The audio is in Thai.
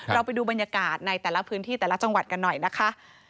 เราไปดูบรรยากาศในแต่ละพื้นที่แต่ละจังหวัดกันหน่อยนะคะ